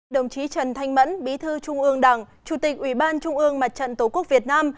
đồng chí trần thanh mẫn bí thư trung ương đảng chủ tịch ủy ban trung ương mặt trận tổ quốc việt nam